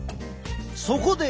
そこで。